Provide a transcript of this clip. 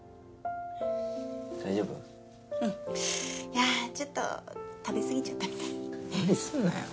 やちょっと食べ過ぎちゃったみたい。